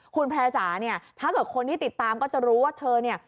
คุณแพร่จ๋าเนี่ยถ้าเกิดคนที่ติดตามก็จะรู้ว่าเธอเนี่ย